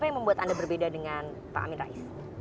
apa yang membuat anda berbeda dengan pak amin rais